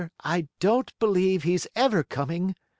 I don't believe he's ever coming!"